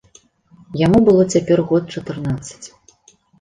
Яму было цяпер год чатырнаццаць.